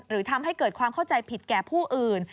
ทำให้เกิดความเข้าใจผิดแก่ผู้อื่น